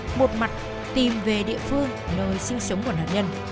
nhóm trinh sát một mặt tìm về địa phương nơi sinh sống của nạn nhân